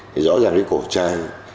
thì rõ ràng cái cổ chai